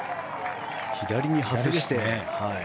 左に外して。